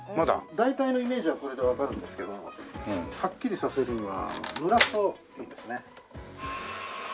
大体のイメージはこれでわかるんですけどはっきりさせるにはぬらすといいんですね。